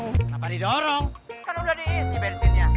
kenapa didorong kan udah diisi bensinnya